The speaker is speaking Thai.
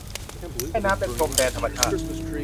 แม่น้ำเป็นพรมแดนธรรมชาติ